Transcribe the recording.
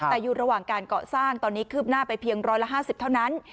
แต่อยู่ระหว่างการเกาะสร้างตอนนี้คืบหน้าไปเพียง๑๕๐เท่านั้น